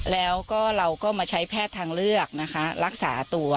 แล้วก็เราก็มาใช้แพทย์ทางเลือกนะคะรักษาตัว